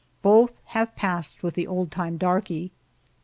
Both have passed with the old time darky.